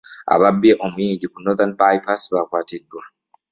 Ababbye omuyindi ku Northern by pass' bakwatiddwa.